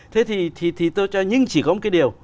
thế thì tôi cho nhưng chỉ có một cái điều